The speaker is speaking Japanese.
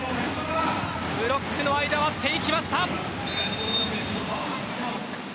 ブロックの間を割っていきました。